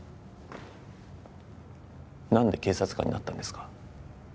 なんで警察官になったんですか？